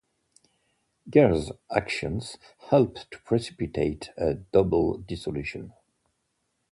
Gair's actions helped to precipitate a double dissolution.